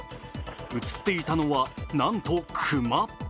映っていたのは、なんと熊。